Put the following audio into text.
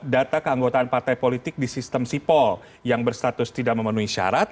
data keanggotaan partai politik di sistem sipol yang berstatus tidak memenuhi syarat